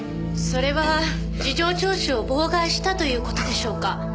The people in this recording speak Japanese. それは事情聴取を妨害したという事でしょうか？